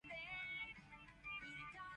燒鵲脷一個